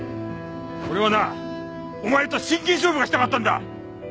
俺はなお前と真剣勝負がしたかったんだ！